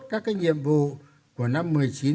các cái nhiệm vụ của năm